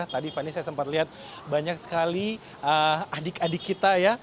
tadi fani saya sempat lihat banyak sekali adik adik kita ya